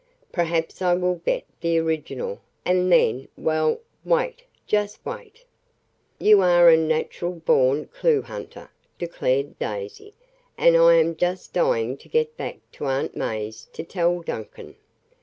Perhaps I will get the original and then well, wait just wait." "You are a natural born clue hunter!" declared Daisy, "and I am just dying to get back to Aunt May's to tell Duncan."